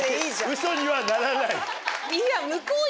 ウソにはならない。